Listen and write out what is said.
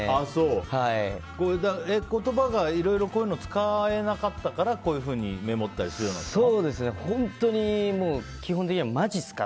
言葉がいろいろこういうの使えなかったからこういうふうにメモったりするようになったの？